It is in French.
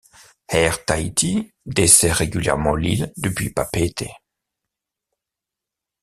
Air Tahiti dessert régulièrement l'île depuis Papeete.